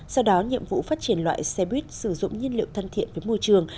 sau đó nhiệm vụ phát triển loại xe buýt sử dụng nhiên liệu thân thiện với môi trường